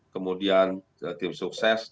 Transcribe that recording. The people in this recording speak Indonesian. kemudian tim sukses